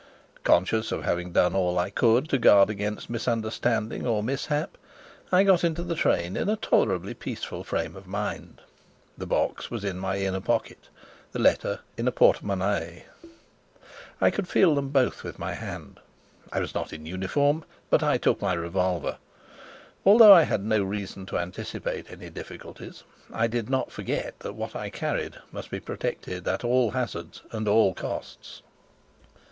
Conscious of having done all I could to guard against misunderstanding or mishap, I got into the train in a tolerably peaceful frame of mind. The box was in my inner pocket, the letter in a portemonnaie. I could feel them both with my hand. I was not in uniform, but I took my revolver. Although I had no reason to anticipate any difficulties, I did not forget that what I carried must be protected at all hazards and all costs.